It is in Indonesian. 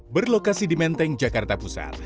berlokasi di menteng jakarta pusat